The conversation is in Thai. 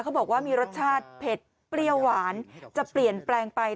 เขาบอกว่ามีรสชาติเผ็ดเปรี้ยวหวานจะเปลี่ยนแปลงไป